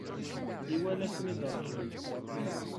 Iwala-ten-id Rebbi.